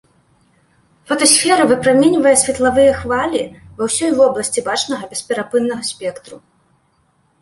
Фотасфера выпраменьвае светлавыя хвалі ва ўсёй вобласці бачнага бесперапыннага спектру.